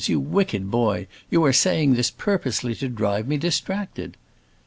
you wicked boy; you are saying this purposely to drive me distracted."